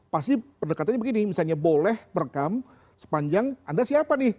pasti pendekatannya begini misalnya boleh merekam sepanjang anda siapa nih